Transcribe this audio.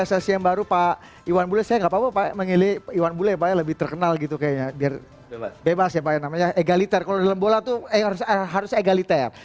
ya saya bersama dengan ketua umum pssi yang baru pak iwan bule saya gak apa apa pak mengilih iwan bule ya pak ya lebih terkenal gitu kayaknya biar bebas ya pak ya namanya egaliter kalau di lembola itu harus egaliter